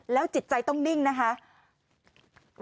แล้วจิตใจต้องนิ่งนะครับ